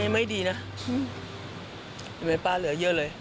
ไม่ดีนะไม่เปล่าเหลือเยอะเลย